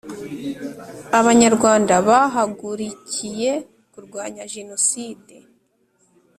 Abanyarwanda bahagurikiye kurwanya jenoside